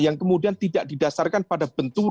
yang kemudian tidak didasarkan pada bentuk